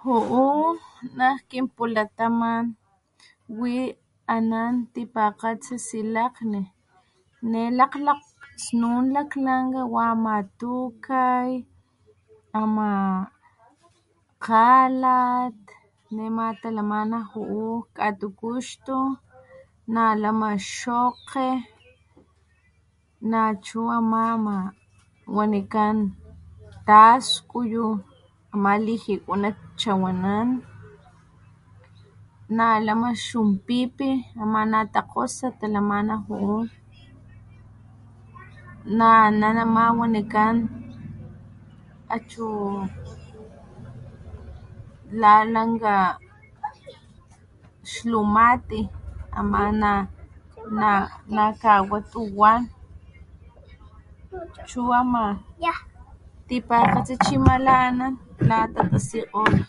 Ju'u nak kinpulataman wi anán tipakgatsi silakgni ne lakgla snun lakglanga wamatukay ama kgalat nema talamana ju'u kgatupuxtu na lama xokge na chu amá ma wanikán taxkuyu maliji wanak chawanán na lama xunpipi namana takgosa talamana ju'u na aná namá wanikán a chu na langa xlumati amá na na na kawatuwá chu amá tipakgatsi chima la ama kgatatsikgolh.